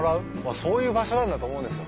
そういう場所なんだと思うんですよ。